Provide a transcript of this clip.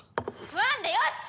食わんでよし！